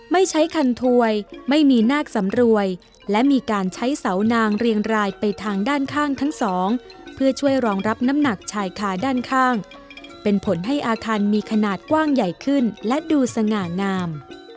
ไม่ใช้คันถวยไม่มีนาคสำรวยและมีการใช้เสานางเรียงรายไปทางด้านข้างทั้งสองเพื่อช่วยรองรับน้ำหนักชายคาด้านข้างเป็นผลให้อาคารมีขนาดกว้างใหญ่ขึ้นและดูสง่างาม